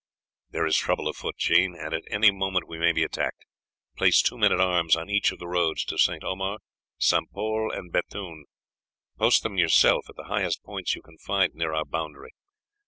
"There is trouble afoot, Jean, and at any moment we may be attacked. Place two men at arms on each of the roads to St. Omer, St. Pol, and Bethune. Post them yourself at the highest points you can find near our boundary.